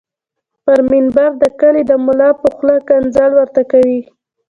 پر منبر د کلي دملا په خوله ښکنځل ورته کوي